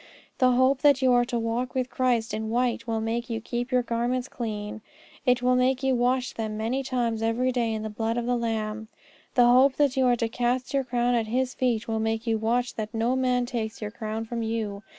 The hope that you are to walk with Christ in white will make you keep your garments clean; it will make you wash them many times every day in the blood of the Lamb. The hope that you are to cast your crown at His feet will make you watch that no man takes your crown from you.